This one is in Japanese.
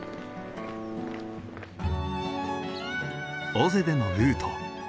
尾瀬でのルート。